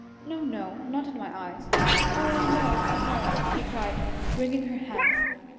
"No, no! Not in my eyes." "Oh, I know, I know!" she cried, wringing her hands.